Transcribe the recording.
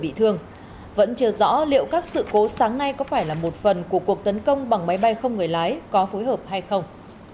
bị thương vẫn chưa rõ liệu các sự cố sáng nay có phải là một phần của cuộc tấn công bằng máy bay không người lái có phối hợp hay không